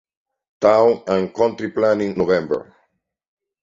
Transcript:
Town and Country Planning, November.